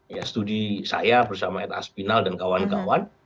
ya studi saya bersama ed aspinal dan kawan kawan